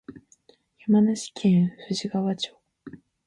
山梨県富士川町